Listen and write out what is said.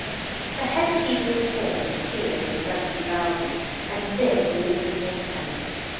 The head keeper's form appeared in the dusky garden, and Dick walked towards him.